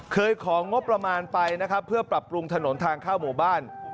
ของงบประมาณไปนะครับเพื่อปรับปรุงถนนทางเข้าหมู่บ้าน